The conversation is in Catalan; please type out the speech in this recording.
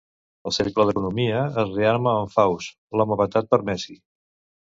El Cercle d'Economia es rearma amb Faus, l'home vetat per Messi.